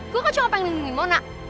gue kan cuma pengen ninggin mona